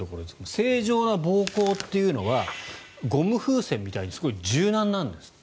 正常な膀胱というのはゴム風船みたいにすごく柔軟なんですって。